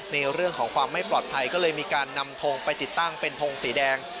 ในเรื่องของความไม่ปลอดภัยก็เลยมีการนำทงไปติดตั้งเป็นทงสีแดง